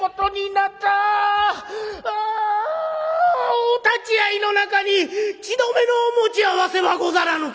お立ち会いの中に血止めのお持ち合わせはござらぬか？」。